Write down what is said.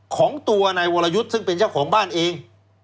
ของตัวนายวรยุทธ์ซึ่งเป็นเจ้าของบ้านเอง